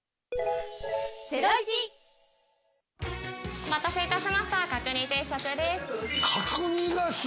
お待たせいたしました、角煮定食です。